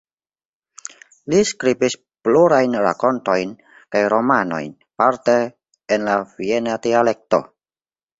Li skribis plurajn rakontojn kaj romanojn, parte en la viena dialekto.